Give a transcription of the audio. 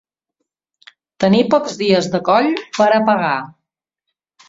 Tenir pocs dies de coll per a pagar.